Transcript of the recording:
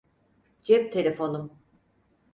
Cep telefonum.